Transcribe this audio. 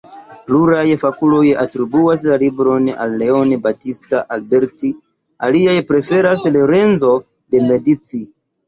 Pluraj fakuloj atribuas la libron al Leon Battista Alberti, aliaj preferas Lorenzo de Medici.